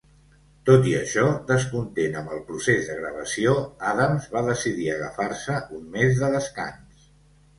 Tot i això, descontent amb el procés de gravació, Adams va decidir agafar-se un mes de descans.